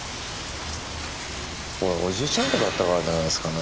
俺おじいちゃんっ子だったからじゃないですかね。